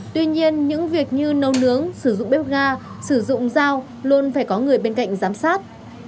tuy nhiên những việc như nấu nướng sử dụng bếp ga sử dụng dao luôn phải có người bên cạnh giám sát